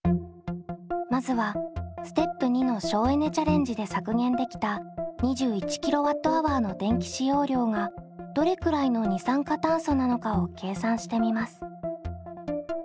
まずはステップ②の省エネ・チャレンジで削減できた２１ｋＷｈの電気使用量がどれくらいの二酸化炭素なのかを計算してみます。